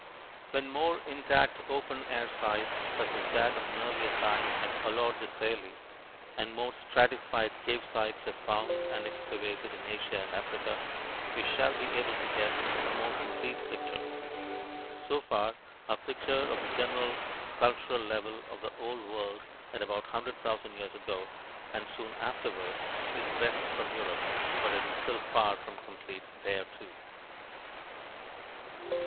When more intact open air sites such as that of an earlier time at Olorgesailie, and more stratified cave sites are found and excavated in Asia and Africa, we shall be able to get a more complete picture. So far, our picture of the general cultural level of the Old World at about 100,000 years ago and soon afterwards is best from Europe, but it is still far from complete there, too.